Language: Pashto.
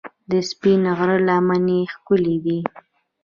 د سپین غر لمنې ښکلې دي